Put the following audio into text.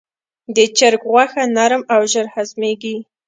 د چرګ غوښه نرم او ژر هضمېږي.